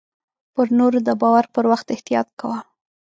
پر نور د باور پر وخت احتياط کوه .